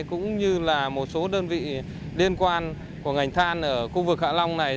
cũng như là một số đơn vị liên quan của ngành than ở khu vực hạ long này